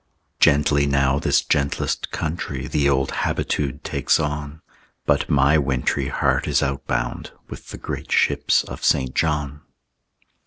Gently now this gentlest country The old habitude takes on, But my wintry heart is outbound With the great ships of St. John.